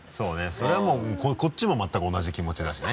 そりゃもうこっちも全く同じ気持ちだしね。